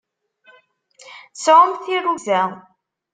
Sɛumt tirrugza!